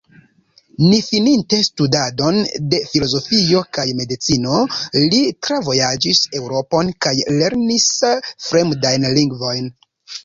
Ne fininte studadon de filozofio kaj medicino, li travojaĝis Eŭropon kaj lernis fremdajn lingvojn.